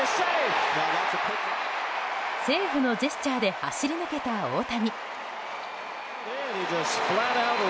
セーフのジェスチャーで走り抜けた大谷。